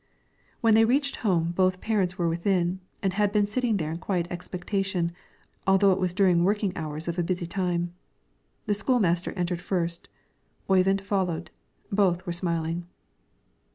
When they reached home both parents were within, and had been sitting there in quiet expectation, although it was during working hours of a busy time. The school master entered first, Oyvind followed; both were smiling.